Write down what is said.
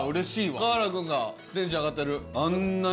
河原君がテンション上がってる。